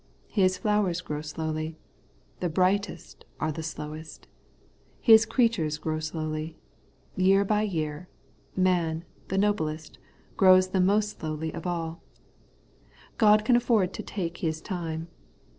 His flowers grow slowly; the brightest are the slowest. His creatures grow slowly, year by year ; man, the noblest, grows the most slowly of aU, God can afford to take His time.